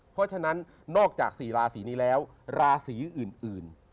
เพราะฉะนั้นนอกจาก๔ราศีนี้แล้วราศีอื่น